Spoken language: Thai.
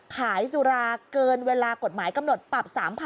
สุราเกินเวลากฎหมายกำหนดปรับ๓๐๐๐